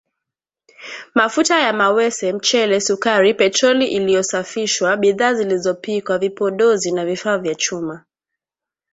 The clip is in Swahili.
Mafuta ya mawese, mchele, sukari, petroli iliyosafishwa, bidhaa zilizopikwa, vipodozi na vifaa vya chuma